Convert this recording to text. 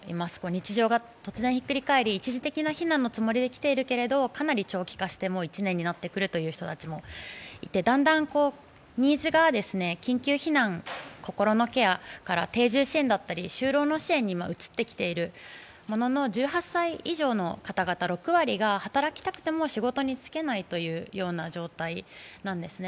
日常が突然ひっくり返り、一時的な避難のつもりで来ているけども、かなり長期化して、もう１年になってくるという人たちもいて、だんだんニーズが緊急避難、心のケアから定住支援だったり就労の支援に今、移ってきているものの１８歳以上の方々の６割が働きたくても仕事に就けないという状態なんですね。